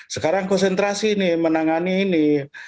sekarang konsentrasi nih menangani ini